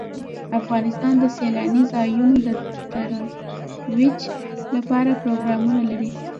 افغانستان د سیلاني ځایونو د ترویج لپاره پروګرامونه لري.